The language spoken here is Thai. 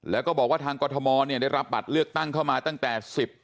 แล้วก็บอกว่าทางกรทมได้รับบัตรเลือกตั้งเข้ามาตั้งแต่๑๐